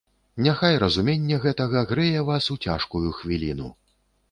Няхай разуменне гэтага грэе вас у цяжкую хвіліну.